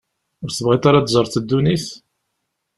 Ur tebɣiḍ ara ad teẓreḍ ddunit?